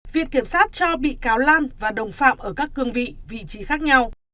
viện kiểm sát cho bị cáo lan và đồng phạm ở các cương vị vị trí khác nhau